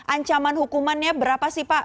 ancaman hukumannya berapa sih pak